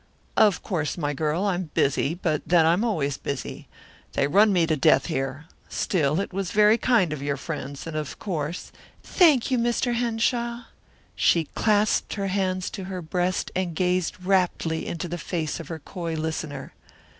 "Of course, my girl, I'm busy but then I'm always busy. They run me to death here. Still, it was very kind of your friends, and of course " "Thank you, Mr. Henshaw." She clasped her hands to her breast and gazed raptly into the face of her coy listener.